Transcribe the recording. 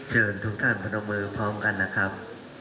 ทุกท่านพนมมือพร้อมกันนะครับ